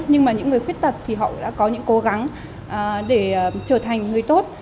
nhưng mà những người khuyết tật thì họ đã có những cố gắng để trở thành người tốt